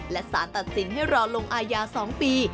และสารตัดสินให้รอลงอาญา๒ปี